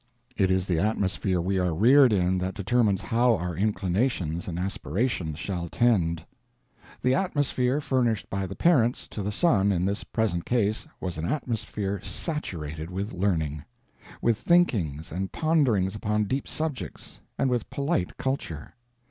It is the atmosphere we are reared in that determines how our inclinations and aspirations shall tend. The atmosphere furnished by the parents to the son in this present case was an atmosphere saturated with learning; with thinkings and ponderings upon deep subjects; and with polite culture.